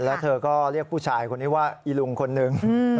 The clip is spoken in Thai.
แล้วเธอก็เรียกผู้ชายคนนี้ว่าอีลุงคนนึง